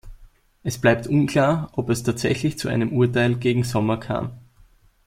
Es bleibt unklar, ob es tatsächlich zu einem Urteil gegen Sommer kam.